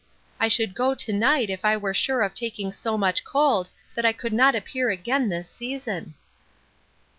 I should go" to night if I were sure of taking so much cold that I could not appear again this season."